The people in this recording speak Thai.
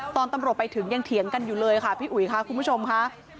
ตอนตำรวจไปถึงยังเถียงกันอยู่เลยค่ะพี่อุ๋ยค่ะคุณผู้ชมค่ะ